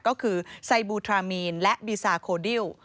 ก็คือไซบูทรามีนและบีซาโคดิล